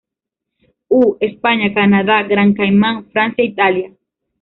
U., España, Canadá, Gran Caimán, Francia, Italia